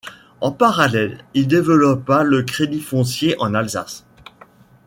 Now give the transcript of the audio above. En parallèle, il développa le crédit foncier en Alsace.